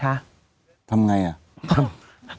ทำอย่างไรอะ